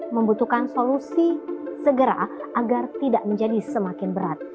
membutuhkan solusi segera agar tidak menjadi semakin berat